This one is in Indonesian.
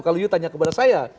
kalau you tanya kepada saya